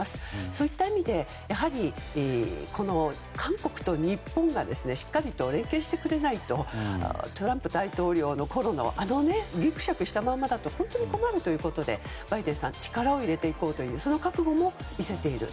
そういった意味でやはり、この韓国と日本がしっかり連携してくれないとトランプ大統領のころとあのギクシャクしたままだと本当に困るということでバイデンさんは力を入れていこうというその覚悟を見せている。